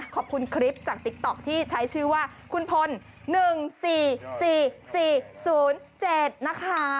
ขอบคุณคลิปจากติ๊กต๊อกที่ใช้ชื่อว่าคุณพล๑๔๔๔๐๗นะคะ